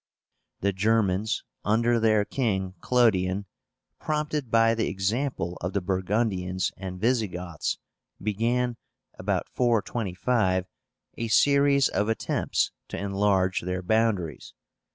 The GERMANS, under their king, CLODION, prompted by the example of the Burgundians and Visigoths, began, about 425, a series of attempts to enlarge their boundaries.